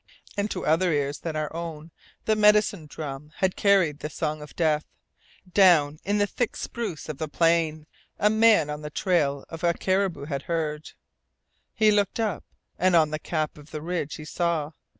And to other ears than their own the medicine drum had carried the Song of Death. Down in the thick spruce of the plain a man on the trail of a caribou had heard. He looked up, and on the cap of the ridge he saw.